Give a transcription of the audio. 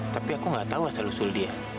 tapi aku gak tahu asal usul dia